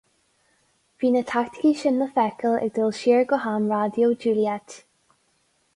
Bhí na teaicticí sin le feiceáil ag dul siar go ham Raidió Juliette.